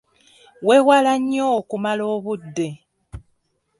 Weewala nnyo okumala obudde.